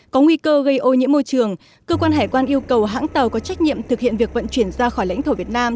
có nguy cơ gây ô nhiễm môi trường cơ quan hải quan yêu cầu hãng tàu có trách nhiệm thực hiện việc vận chuyển ra khỏi lãnh thổ việt nam